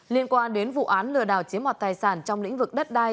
liên quan đến vụ án lừa đào chiếm mọt tài sản trong lĩnh vực đất đai